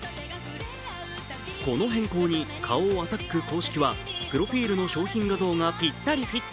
この変更に、花王アタック公式は、プロフィールの商品画像がぴったりフィット。